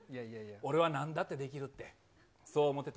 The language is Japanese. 俺はなんだってできるって、そう思ってた。